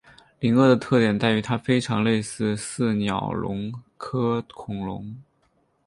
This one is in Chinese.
灵鳄的特点在于它非常类似似鸟龙科恐龙。